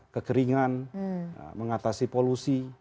kekeringan mengatasi polusi